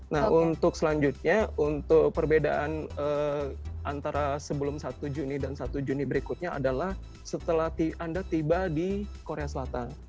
nah untuk selanjutnya untuk perbedaan antara sebelum satu juni dan satu juni berikutnya adalah setelah anda tiba di korea selatan